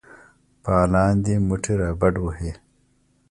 فعالان دي مټې رابډ وهي.